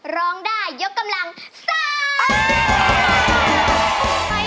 ร้องได้ยกกำลัง๓